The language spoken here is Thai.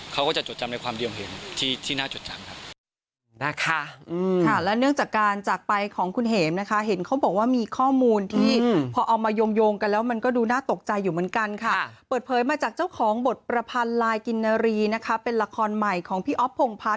เขาก็จะจดจำในความเดียวเห็นที่น่าจดจำครับ